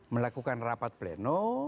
melakukan rapat pleno